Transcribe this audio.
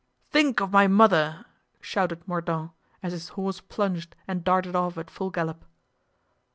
"Think of my mother!" shouted Mordaunt, as his horse plunged and darted off at full gallop.